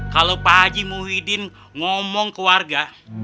kalau pak haji muhyiddin ngomong ke warga